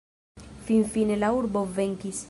Finfine la urbo venkis.